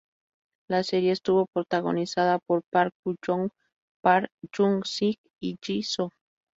La serie estuvo protagonizada por Park Bo-young, Park Hyung-sik y Ji Soo.